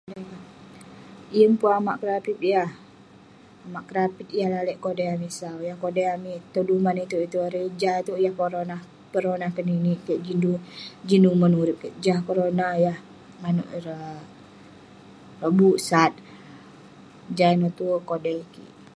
Yeng pun amak kerapit yah, amak kerapit yah lalek kodai amik sau, yah kodai amik dong duman itouk erey..jah itouk yah peronah keninik keik jin umon urip kik, jah korona yah manouk ireh, lobuk sat..jah ineh tuerk kodai kik..